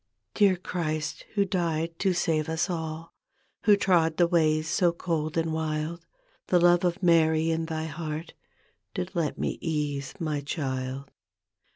Dear Christ, Who died to save us all. Who trod the ways so cold and wild. The love of Mary in thy heart Did let me ease my child.